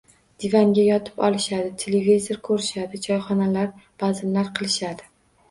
- Divanga yotib olishadi, televizor ko'rishadi, choyxonalarda bazmlar qilishadi...